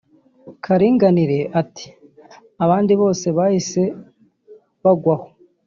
Karinganire ati “ abandi bose bahise bagwa aho